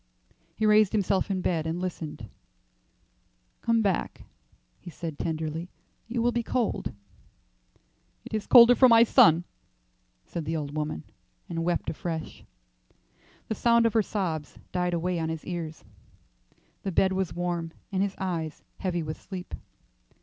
He raised himself in bed and listened. "Come back," he said, tenderly. "You will be cold." "It is colder for my son," said the old woman, and wept afresh. The sound of her sobs died away on his ears. The bed was warm, and his eyes heavy with sleep.